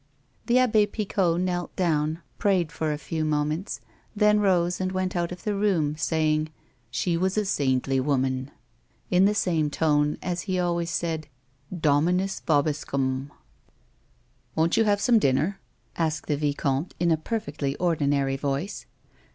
The Abb^ Picot knelt down, prayed for a few moments, then rose and went out of the room, saying, " She was a saintly woman," in the same tone as he always said, ' Dominus vobiscum." " Won't you have some dinner 1 " asked the vicomte iu a perfectly ordinary voice.